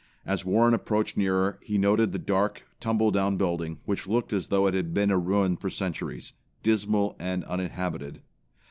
As Warren approached nearer, he noted the dark, tumbledown building, which looked as though it had been a ruin for centuries, dismal and uninhabited.